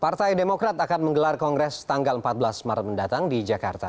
partai demokrat akan menggelar kongres tanggal empat belas maret mendatang di jakarta